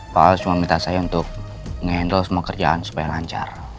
pak al cuma minta saya untuk ngehandle semua kerjaan supaya lancar